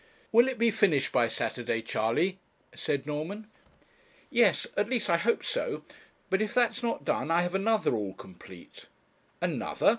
'Will it be finished by Saturday, Charley?' said Norman. 'Yes at least I hope so; but if that's not done, I have another all complete.' 'Another!